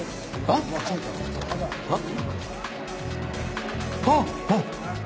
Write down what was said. あっ！